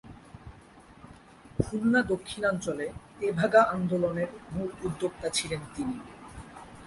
খুলনা দক্ষিণাঞ্চলে তেভাগা আন্দোলনের মূল উদ্যোক্তা ছিলেন তিনি।